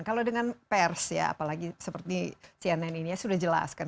kalau dengan pers ya apalagi seperti cnn ini ya sudah jelaskan